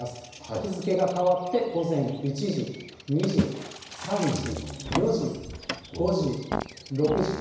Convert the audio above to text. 日付が変わって、午前１時、２時、３時、４時、５時、６時と。